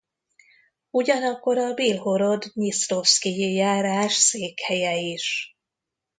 Ugyanakkor a Bilhorod-dnyisztrovszkiji járás székhelye is.